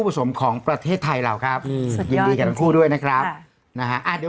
พี่ปั๊ดเดี๋ยวมาที่ร้องให้